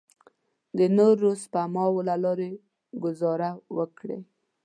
د نورو سپماوو له لارې ګوزاره وکړئ.